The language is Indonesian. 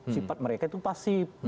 sifat mereka itu pasif